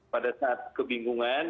pada saat kebingungan